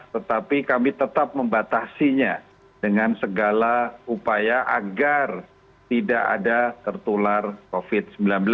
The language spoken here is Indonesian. tetapi kami tetap membatasinya dengan segala upaya agar tidak ada tertular covid sembilan belas